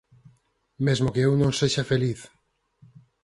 Mesmo que eu non sexa feliz